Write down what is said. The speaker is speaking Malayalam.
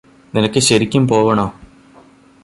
നിനക്ക് ശരിക്കും പോവണോ